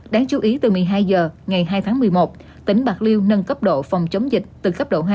đáng chú ý từ một mươi hai h ngày hai tháng một mươi một tỉnh bạc liêu nâng cấp độ phòng chống dịch từ cấp độ hai